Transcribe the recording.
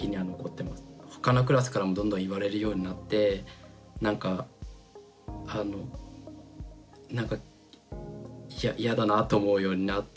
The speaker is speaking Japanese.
他のクラスからもどんどん言われるようになってなんかあのなんか嫌だなと思うようにな。